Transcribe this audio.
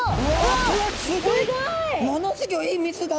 ものすギョい水が。